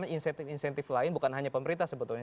insentif insentif lain bukan hanya pemerintah sebetulnya